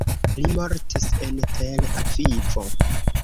Li mortis en Tel-Avivo.